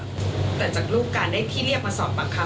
แต่จากรูปการณ์ที่เรียกมาสอบปากคำ